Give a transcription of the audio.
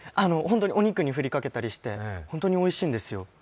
お肉にふりかけたりして本当においしいんですよ。